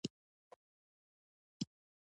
د ابوبکر صدیق په خلافت کې شام فتح شو.